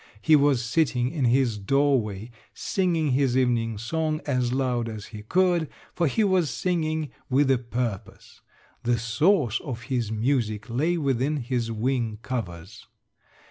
He was sitting in his doorway singing his evening song as loud as he could, for he was singing with a purpose. The source of his music lay within his wing covers.